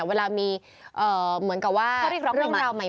เวลามีเหมือนกับว่าเรื่องราวใหม่